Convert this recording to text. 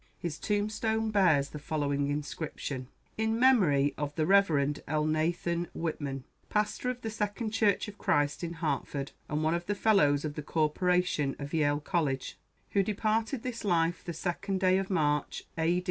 His tombstone bears the following inscription: IN MEMORY OF THE REV. ELNATHAN WHITMAN, Pastor of the Second Church of Christ in Hartford, and one of the fellows of the corporation of Yale College, who departed this life the 2d day of March, A.